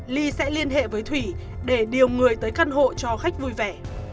ly sẽ liên hệ với thủy để điều người tới căn hộ cho khách vui vẻ